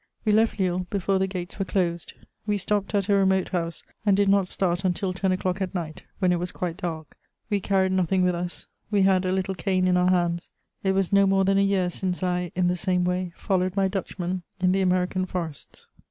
We left Lille before the gates were closed: we stopped at a remote house, and did not start until ten o'clock at night, when it was quite dark; we carried nothing with us; we had a little cane in our hands; it was no more than a year since I, in the same way, followed my Dutchman in the American forests.